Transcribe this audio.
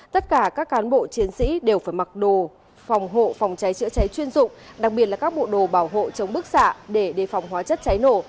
tất cả các cán bộ chiến sĩ đều phải mặc đồ phòng hộ phòng cháy chữa cháy chuyên dụng đặc biệt là các bộ đồ bảo hộ chống bức xạ để đề phòng hóa chất cháy nổ